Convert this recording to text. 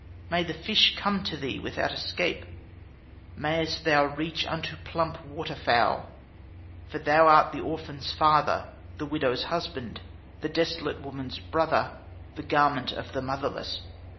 May the fish come to thee without escape; Mayest thou reach unto plump waterfowl. For thou art the orphan's father, the widow's husband, The desolate woman's brother, the garment of the motherless.